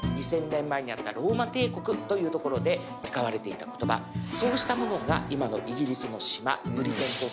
２０００年前にあったローマ帝国という所で使われていた言葉そうしたものが今のイギリスの島ブリテン島